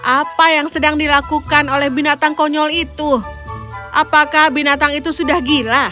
apa yang sedang dilakukan oleh binatang konyol itu apakah binatang itu sudah gila